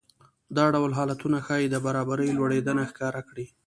دا ډول حالتونه ښايي د برابرۍ لوړېدنه ښکاره کړي